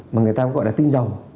mà người ta cũng gọi là tinh dầu